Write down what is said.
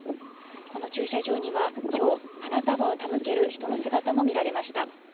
この駐車場にはきょう、花束を手向ける人の姿も見られました。